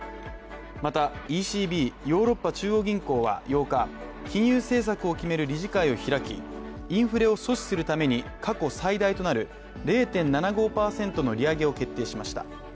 また、ＥＣＢ＝ヨーロッパ中央銀行は８日金融政策を決める理事会を開きインフレを阻止するために過去最大となる０．７５％の利上げを決定しました。